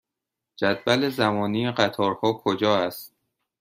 جدول زمانی قطارها کجا است؟